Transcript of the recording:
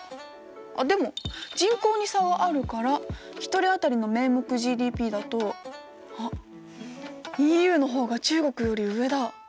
あっでも人口に差はあるから１人当たりの名目ＧＤＰだとあっＥＵの方が中国より上だ！